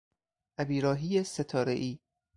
ابیراهی ستارهای